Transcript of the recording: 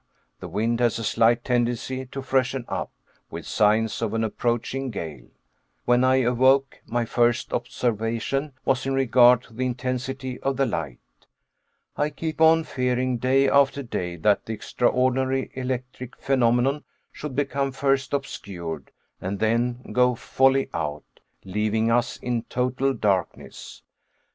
The wind has a slight tendency to freshen up, with signs of an approaching gale. When I awoke, my first observation was in regard to the intensity of the light. I keep on fearing, day after day, that the extraordinary electric phenomenon should become first obscured, and then go wholly out, leaving us in total darkness.